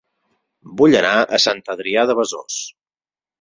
Vull anar a Sant Adrià de Besòs